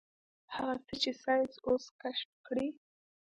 هغه څه چې ساينس اوس کشف کړي.